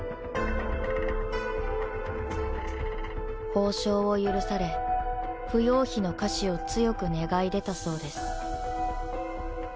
褒賞を許され芙蓉妃の下賜を強く願い出たそうです。